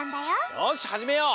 よしはじめよう！